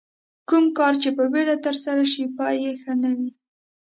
کوم کار چې په بیړه ترسره شي پای یې ښه نه وي.